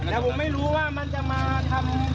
แต่ผมไม่รู้ว่ามันจะมาทำ